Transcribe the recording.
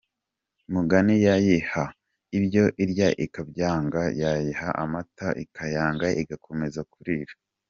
Mugani yayiha ibyo irya ikabyanga, yayiha amata ikayanga igakomeza kurira.